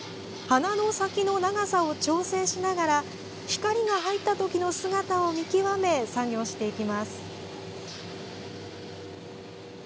花の先の長さを調整しながら光が入ったときの姿を見極め作業していきます。